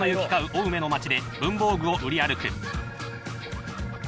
青梅の街で文房具を売り歩く。